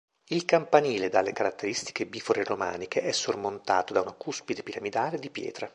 Il campanile dalle caratteristiche bifore romaniche è sormontato da una cuspide piramidale di pietra.